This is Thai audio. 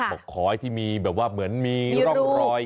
บอกขอให้ที่มีแบบว่าเหมือนมีร่องรอย